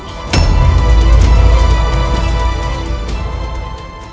tidak ada jalan lain lagi